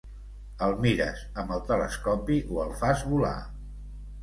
El mires amb el telescopi o el fas volar.